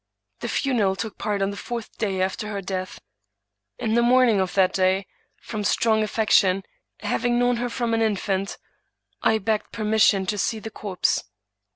The funeral took place on the fourth day after her death. In the morning of that day, from strong affection — having known her from an infant — I begged permission to see the corpse.